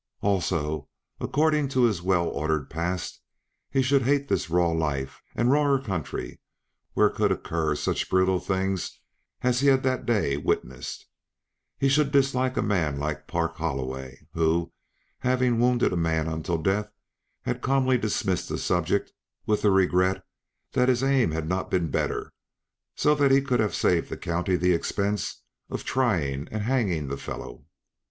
Also, according to his well ordered past, he should hate this raw life and rawer country where could occur such brutal things as he had that day witnessed. He should dislike a man like Park Holloway who, having wounded a man unto death, had calmly dismissed the subject with the regret that his aim had not been better, so that he could have saved the county the expense of trying and hanging the fellow.